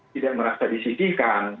tidak merasa disisihkan